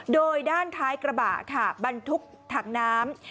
โดยด้านท้ายกระบะค่ะบรรทุกถังน้ำ